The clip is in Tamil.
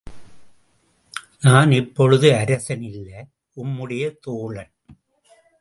நான் இப்பொழுது அரசன் இல்லை உம்முடைய தோழன்.